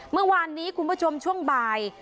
เมื่อวานนี้คุณผู้ชมช่วงบ่าย